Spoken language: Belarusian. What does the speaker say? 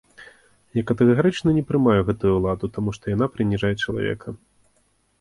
Я катэгарычна не прымаю гэту ўладу, таму што яна прыніжае чалавека.